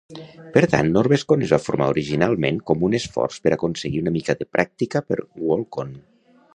Per tant, Norwescon es va formar originalment com un esforç per aconseguir una mica de pràctica per Worldcon.